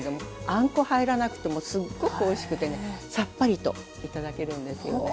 あんこ入らなくてもすっごくおいしくてねさっぱりと頂けるんですよね。